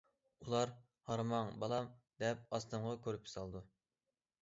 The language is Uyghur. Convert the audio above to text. ئۇلار« ھارماڭ، بالام» دەپ ئاستىمغا كۆرپە سالىدۇ.